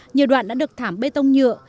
nhiều đoạn đã được thảm bê tông nhựa